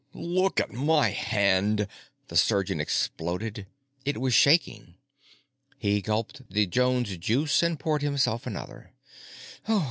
"Look at my hand!" the surgeon exploded. It was shaking. He gulped the Jones Juice and poured himself another.